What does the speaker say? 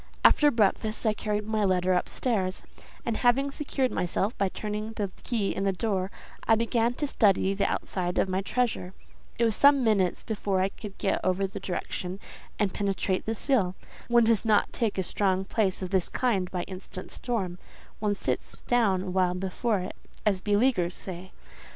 After breakfast I carried my letter up stairs, and having secured myself by turning the key in the door, I began to study the outside of my treasure: it was some minutes before I could get over the direction and penetrate the seal; one does not take a strong place of this kind by instant storm—one sits down awhile before it, as beleaguers say.